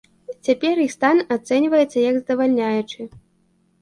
Цяпер іх стан ацэньваецца як здавальняючы.